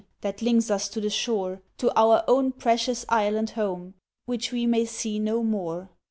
That links us to the shore— To our own precious Island home Which we may see no more!"